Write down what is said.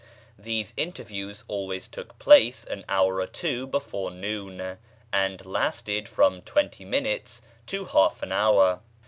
These interviews always took place an hour or two before noon, and lasted from twenty minutes to half an hour.